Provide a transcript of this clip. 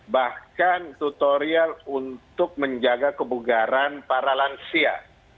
bahkan tutorial untuk menjaga kebugaran para lansia